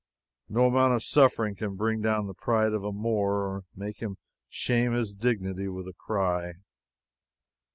No amount of suffering can bring down the pride of a Moor or make him shame his dignity with a cry.